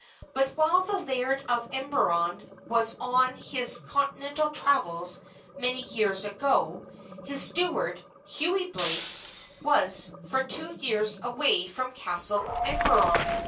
But while the Laird of Emberon was on his Continental travels many years ago, his steward, Hughie Blake, was for two years away from Castle Emberon.